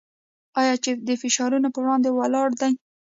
آیا چې د فشارونو پر وړاندې ولاړ دی؟